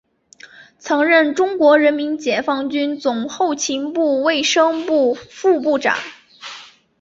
曾任中国人民解放军总后勤部卫生部副部长。